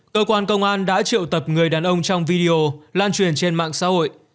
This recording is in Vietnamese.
cơ quan công an đã triệu tập người đàn ông trong video lan truyền trên mạng xã hội